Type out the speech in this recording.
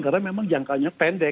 karena memang jangkanya pendek